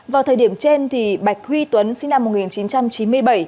vào thời điểm trên bạch huy tuấn sinh năm một nghìn chín trăm chín mươi bảy